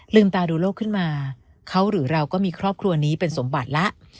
ตาดูโลกขึ้นมาเขาหรือเราก็มีครอบครัวนี้เป็นสมบัติแล้ว